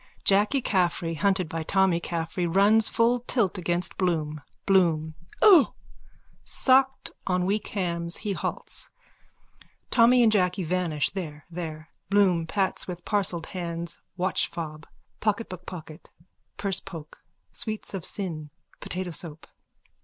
(Jacky Caffrey, hunted by Tommy Caffrey, runs full tilt against Bloom.) BLOOM: O. _(Shocked, on weak hams, he halts. Tommy and Jacky vanish there, there. Bloom pats with parcelled hands watch, fobpocket, bookpocket, pursepoke, sweets of sin, potato soap.)